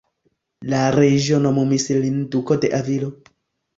La reĝo nomumis lin Duko de Avilo.